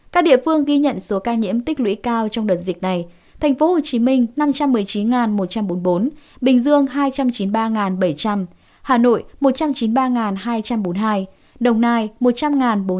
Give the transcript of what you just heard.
các tỉnh thành phố ghi nhận ca bệnh như sau